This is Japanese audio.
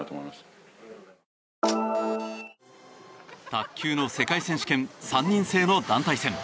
卓球の世界選手権３人制の団体戦。